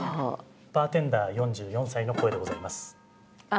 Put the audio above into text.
バーテンダー４４歳の声でございます。